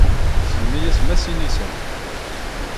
Semmi-as Masinisa.